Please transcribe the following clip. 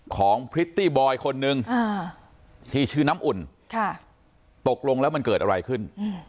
พริตตี้บอยคนนึงที่ชื่อน้ำอุ่นตกลงแล้วมันเกิดอะไรขึ้น